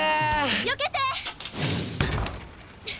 よけて！